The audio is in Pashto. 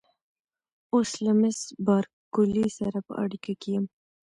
اوس له مېس بارکلي سره په اړیکه کې یم.